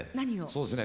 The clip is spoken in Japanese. そうですね。